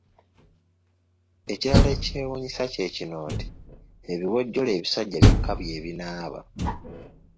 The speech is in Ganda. Ekirala ekyewuunyisa kye kino nti ebiwojjolo ebisajja byokka bye binaaba.